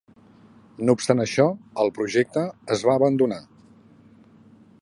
No obstant això, el projecte es va abandonar.